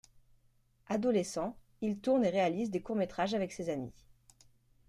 Adolescent, il tourne et réalise des courts métrages avec ses amis.